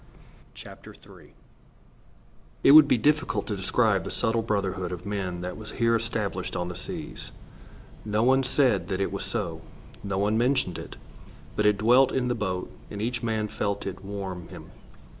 III It would be difficult to describe the subtle brotherhood of men that was here established on the seas. No one said that it was so. No one mentioned it. But it dwelt in the boat, and each man felt it warm him.